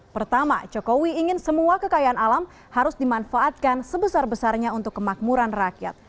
pertama jokowi ingin semua kekayaan alam harus dimanfaatkan sebesar besarnya untuk kemakmuran rakyat